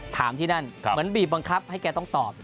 ที่นั่นเหมือนบีบบังคับให้แกต้องตอบ